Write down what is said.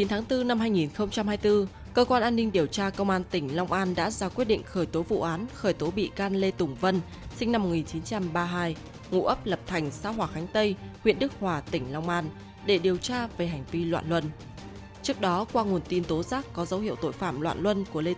hãy đăng ký kênh để ủng hộ kênh của chúng mình nhé